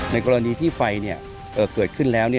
กรณีที่ไฟเกิดขึ้นแล้ว